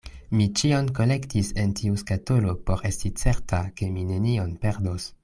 Mi ĉion kolektis en tiu skatolo por esti certa, ke mi nenion perdos.